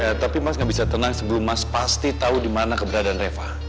iya tapi mas gak bisa tenang sebelum mas pasti tau dimana keberadaan reva